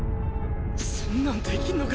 そんなのできるのか？